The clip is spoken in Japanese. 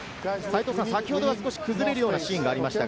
先ほどは少し崩れるようなシーンがありました。